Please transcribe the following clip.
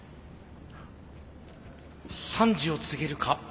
３時を告げるか。